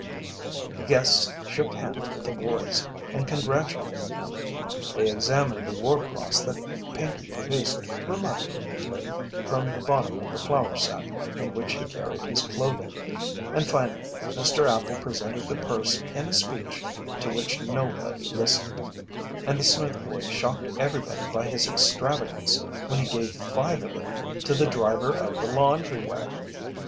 The guests shook hands with the boys and congratulated them; they examined the War Cross that Pinkey produced reluctantly from the bottom of the flour sack in which he carried his clothing, and finally Mr. Appel presented the purse in a speech to which nobody listened and the Smith boy shocked everybody by his extravagance when he gave five of it to the driver of the laundry wagon.